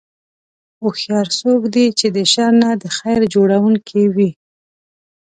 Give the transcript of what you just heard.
هوښیار څوک دی چې د شر نه د خیر جوړوونکی وي.